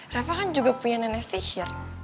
rafa kan juga punya nenek sihir